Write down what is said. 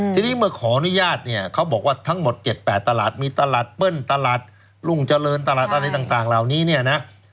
ทีนี้เมื่อขออนุญาตเนี่ยเขาบอกว่าทั้งหมด๗๘ตลาดมีตลาดเปิ้ลตลาดรุ่งเจริญตลาดอะไรต่างเหล่านี้เนี่ยนะ